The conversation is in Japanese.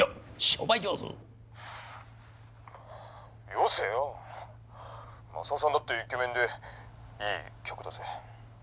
「よせよまさおさんだってイケメンでいい客だぜ」。